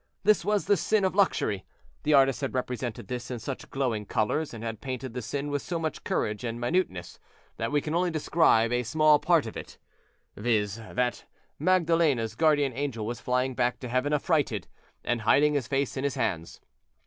This was the sin of luxury. The artist had represented this in such glowing colors, and had painted the sin with so much courage and minuteness, that we can only describe a small part of it, viz.:—that Magdalene's guardian angel was flying back to heaven affrighted, and hiding his face in his hands.